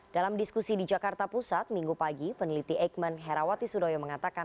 dalam diskusi di jakarta pusat minggu pagi peneliti eikman herawati sudoyo mengatakan